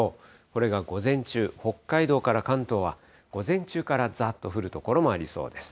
これが午前中、北海道から関東は午前中からざーっと降る所もありそうです。